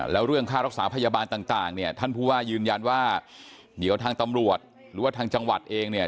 แล้วเรื่องค่ารักษาพยาบาลต่างเนี่ยท่านผู้ว่ายืนยันว่าเดี๋ยวทางตำรวจหรือว่าทางจังหวัดเองเนี่ย